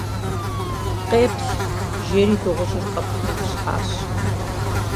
- Къеплъ, - жери дыгъужьыр къэпым ипщхьащ.